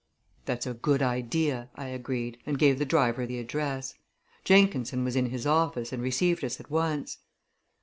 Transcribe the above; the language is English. "That's a good idea," I agreed, and gave the driver the address. Jenkinson was in his office, and received us at once.